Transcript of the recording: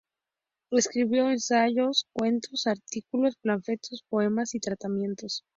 Escribió ensayos, cuentos, artículos, panfletos, poemas y tratamientos.